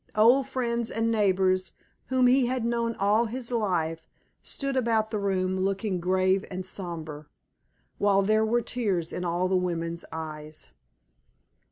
Old friends and neighbors whom he had known all his life stood about the room looking grave and sober, while there were tears in all the women's eyes.